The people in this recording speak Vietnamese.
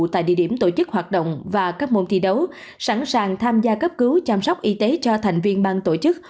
tại địa điểm tổ chức hoạt động và các môn thi đấu sẵn sàng tham gia cấp cứu chăm sóc y tế cho thành viên ban tổ chức